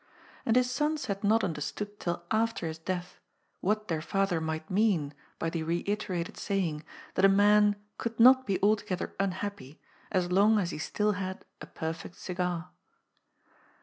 And his sons had not understood till after his death what their father might mean by the reiterated saying that a man could not be altogether unhappy, as long as he still had a perfect cigar.